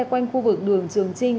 quanh khu vực đường trường trinh